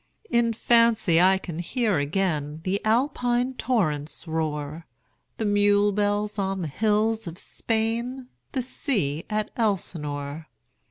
In fancy I can hear again The Alpine torrent's roar, The mule bells on the hills of Spain, 15 The sea at Elsinore.